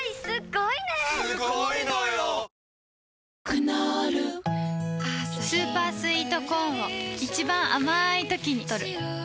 クノールスーパースイートコーンを一番あまいときにとる